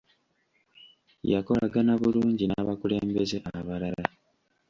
Yakolagana bulungi n'abakulembeze abalala.